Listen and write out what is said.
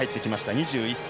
２１歳。